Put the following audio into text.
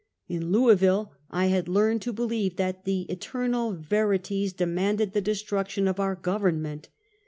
In Louisville, I had learned to believe that the Eter nal veri ties demanded the destruction of our Govern ment.